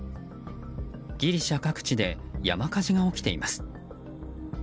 ギリシャ各地で山火事が起きています。